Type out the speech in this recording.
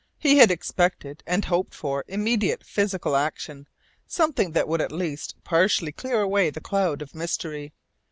He had expected and hoped for immediate physical action, something that would at least partially clear away the cloud of mystery.